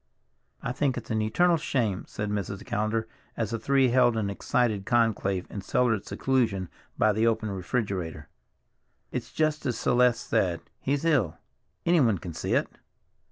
"I think it's an eternal shame," said Mrs. Callender as the three held an excited conclave in cellared seclusion by the open refrigerator. "It's just as Celeste says, he's ill—anyone can see it.